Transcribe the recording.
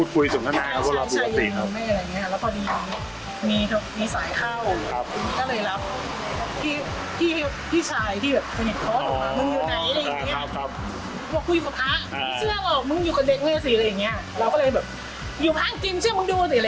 ก็เลยอยู่ทางกินเชื่อฉันจะดูเหมือนแบบนี้